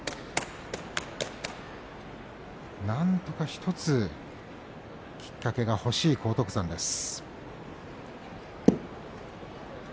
なんとか１つきっかけが欲しい荒篤山です。